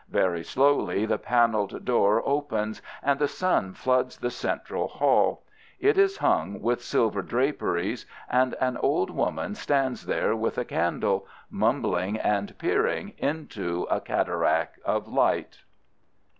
Very slowly the paneled door opens and the sun floods the central hall. It is hung with silver draperies, and an old woman stands there with a candle, mumbling and peering in a cataract of light.